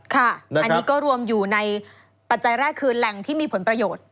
ค่ะอันนี้ก็รวมอยู่ในปัจจัยแรกคือแหล่งที่มีผลประโยชน์